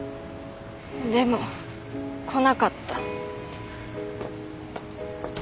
でも来なかった。